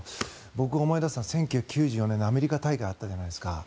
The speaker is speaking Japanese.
僕、思い出すのは１９９４年のアメリカ大会があったじゃないですか。